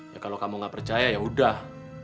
ya kalau kamu gak percaya yaudah